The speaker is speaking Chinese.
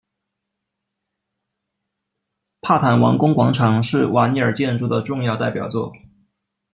帕坦王宫广场是尼瓦尔建筑的重要代表作。